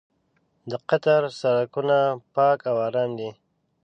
د قطر سړکونه پاک او ارام دي.